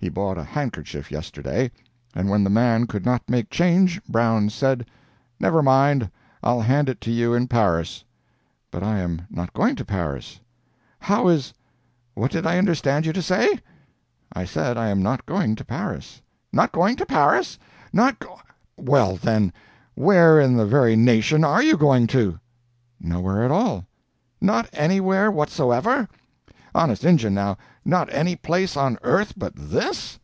He bought a handkerchief yesterday, and when the man could not make change, Brown said: "Never mind, I'll hand it to you in Paris." "But I am not going to Paris." "How is—what did I understand you to say?" "I said I am not going to Paris." "Not going to Paris! Not g—well then, where in the very nation are you going to?" "Nowhere at all." "Not anywhere whatsoever?—honest Injun, now—not any place on earth but this?"